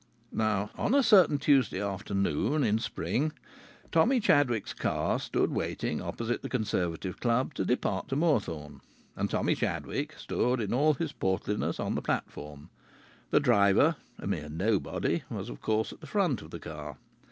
Now on a certain Tuesday afternoon in spring Tommy Chadwick's car stood waiting, opposite the Conservative Club, to depart to Moorthorne. And Tommy Chadwick stood in all his portliness on the platform. The driver, a mere nobody, was of course at the front of the car.